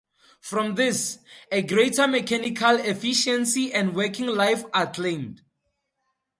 From this, a greater mechanical efficiency and working life are claimed.